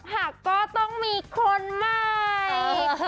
หากก็ต้องมีคนใหม่